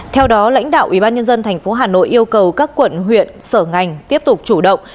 theo đó lãnh đạo ubnd tp hà nội yêu cầu các quận huyện sở ngành tiếp tục chủ động